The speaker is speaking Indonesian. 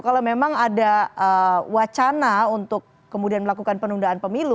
kalau memang ada wacana untuk kemudian melakukan penundaan pemilu